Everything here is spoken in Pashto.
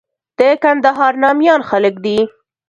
د کندهار ناميان خلک دي.